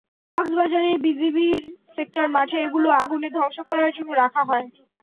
কক্সবাজারে বিজিবির সেক্টর মাঠে এগুলো আগুনে ধ্বংস করার জন্য রাখা হয়।